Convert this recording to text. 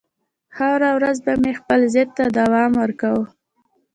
هره ورځ به مې خپل ضد ته دوام ورکاوه